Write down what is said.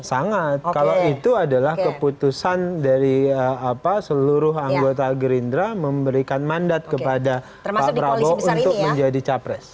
sangat kalau itu adalah keputusan dari seluruh anggota gerindra memberikan mandat kepada pak prabowo untuk menjadi capres